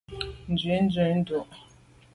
Nzwi dù.